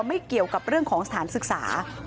ไม่เกี่ยวกับเรื่องของสถานศึกษา